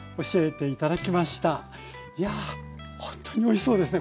いやあほんとにおいしそうですね。